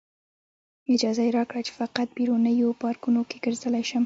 اجازه یې راکړه چې فقط بیرونیو پارکونو کې ګرځېدلی شئ.